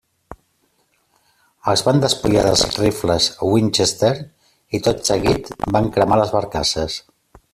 Els van despullar dels rifles Winchester i tot seguit van cremar les barcasses.